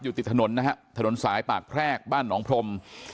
ติดถนนนะฮะถนนสายปากแพรกบ้านหนองพรม